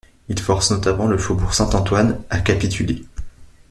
Il force notamment le faubourg Saint-Antoine à capituler.